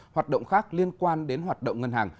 hoạt động khác liên quan đến hoạt động ngân hàng